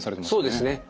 そうですね。